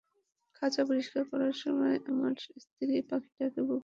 খাঁচা পরিষ্কার করার সময় আমার স্ত্রী পাখিটাকে বুকের কাছে জড়িয়ে ধরে রাখত।